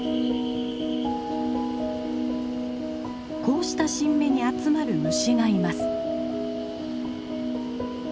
こうした新芽に集まる虫がいます。